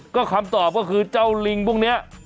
ก็คำตอบก็คือเจ้าลิงพวกนี้